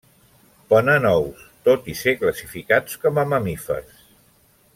Ponen ous, tot i ser classificats com a mamífers.